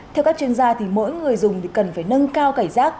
theo các chuyên gia thì mỗi người dùng thì cần phải nâng cao cảnh giác